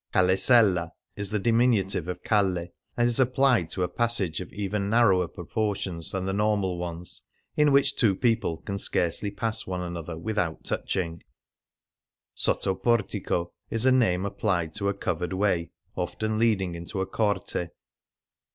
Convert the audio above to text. Callesella is the diminutive of calle^ and is applied to a passage of even naiTOwer proportions than the normal ones, in which two people can scarcely pass one another without touching ; sottoportico is a name applied to a covered way, often leading into a corte.